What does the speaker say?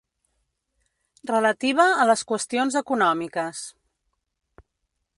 Relativa a les qüestions econòmiques.